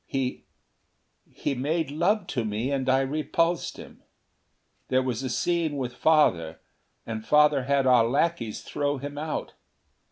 He he made love to me, and I repulsed him. There was a scene with Father, and Father had our lackeys throw him out.